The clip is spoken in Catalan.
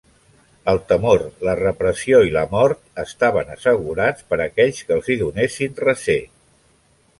El temor, la repressió i la mort estaven assegurats per aquells qui els donessin recer.